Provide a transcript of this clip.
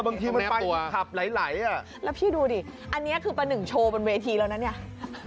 บางทีมันไปขับไหลอ่ะแล้วพี่ดูดิอันนี้คือประหนึ่งโชว์บนเวทีแล้วนะเนี่ย